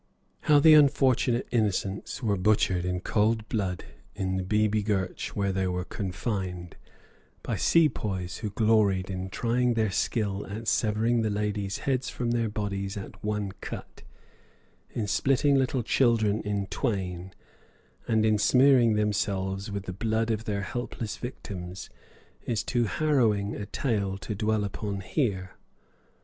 How the unfortunate innocents were butchered in cold blood in the beebeegurch where they were confined, by Sepoys who gloried in trying their skill at severing the ladies' heads from their bodies at one cut, in splitting little children in twain, and in smearing themselves with the blood of their helpless victims, is too harrowing a tale to dwell upon here.